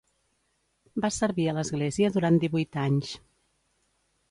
Va servir a l'església durant divuit anys.